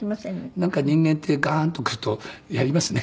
なんか人間ってがーんとくるとやりますね。